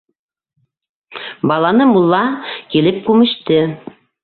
Баланы мулла килеп күмеште.